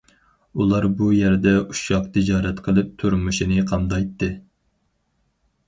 ئۇلار بۇ يەردە ئۇششاق تىجارەت قىلىپ تۇرمۇشىنى قامدايتتى.